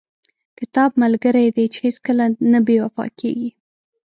• کتاب ملګری دی چې هیڅکله نه بې وفا کېږي.